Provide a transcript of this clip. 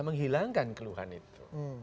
menghilangkan keluhan itu